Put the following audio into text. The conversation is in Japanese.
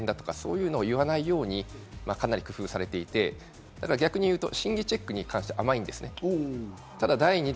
誹謗中傷だとか差別的発言だとか、そういうのを言わないように、かなり工夫されていて、逆に言うと、真偽チェックに関しては甘いんですね。